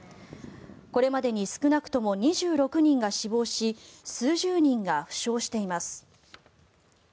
これまでに少なくとも２６人が死亡し数十人が負傷しています。